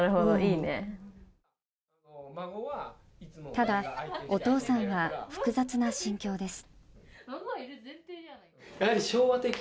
ただ、お父さんは複雑な心境です。